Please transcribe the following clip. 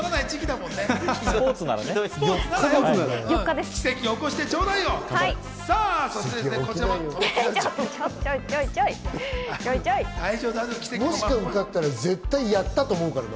もし受かったら絶対やったと思うからな。